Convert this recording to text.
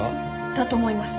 だと思います。